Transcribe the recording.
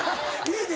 いいね